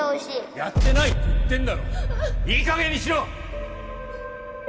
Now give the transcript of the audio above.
やってないって言ってんだろいい加減にしろ